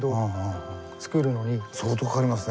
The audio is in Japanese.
相当かかりますね